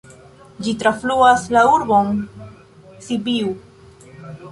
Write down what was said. Ĝi trafluas la urbon Sibiu.